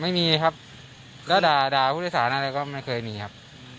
ไม่มีครับแล้วด่าด่าผู้โดยสารอะไรก็ไม่เคยมีครับ